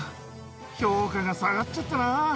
評価が下がっちゃったな。